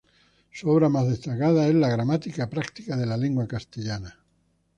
Su obra más destacada es la "Gramática práctica de la lengua castellana".